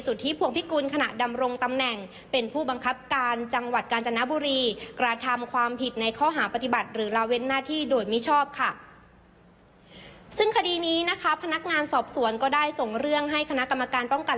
ซึ่งคดีนี้นะคะพนักงานสอบสวนก็ได้ส่งเรื่องให้คณะกรรมการป้องกัน